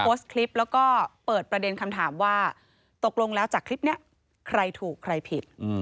โพสต์คลิปแล้วก็เปิดประเด็นคำถามว่าตกลงแล้วจากคลิปนี้ใครถูกใครผิด